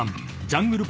ジャングル